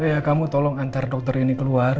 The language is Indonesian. ya kamu tolong antar dokter ini keluar